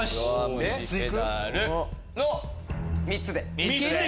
３つで。